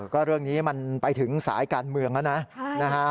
ก็เรื่องนี้มันไปถึงสายการเมืองแล้วนะ